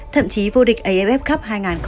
thậm chí vô địch aff cup hai nghìn hai mươi